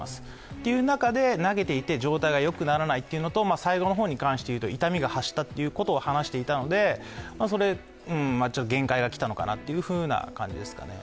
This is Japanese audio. という中で投げていて状態がよくならないのと最後の方に関していうと、痛みが発したということを話していたので限界がきたのかなという感じですかね。